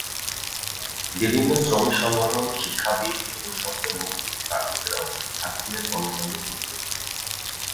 বিভিন্ন শ্রমিক সংগঠন, শিক্ষাবিদ এবং শহুরে মধ্যবিত্ত নাগরিকেরাও থাকসিনের কর্মকাণ্ডে ক্ষুব্ধ।